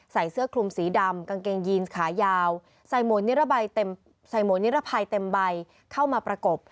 ใส่เสื้อคลุมสีดำกางเกงยีนขายาวใส่หมวดนิรภัยเต็มใบเข้ามาประกบ